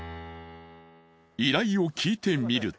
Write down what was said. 依頼を聞いてみると。